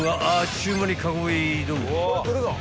ちゅう間にカゴへ移動］